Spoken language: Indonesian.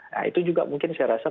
nah itu juga mungkin saya rasa